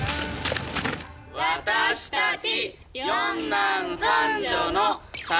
私たち。